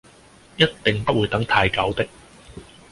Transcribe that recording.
一定不會等太久的